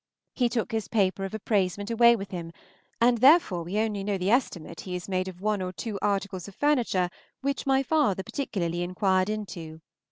He took his paper of appraisement away with him, and therefore we only know the estimate he has made of one or two articles of furniture which my father particularly inquired into.